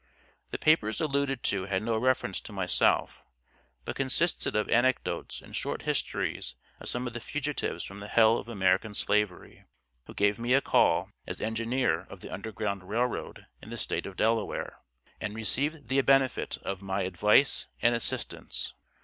The papers alluded to had no reference to myself; but consisted of anecdotes and short histories of some of the fugitives from the hell of American Slavery, who gave me a call, as engineer of the Underground Rail Road in the State of Delaware, and received the benefit of my advice and assistance.